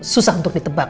susah untuk ditebak